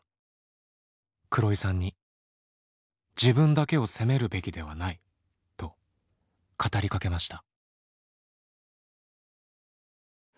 黒井さんに自分だけを責めるべきではないと語りかけました。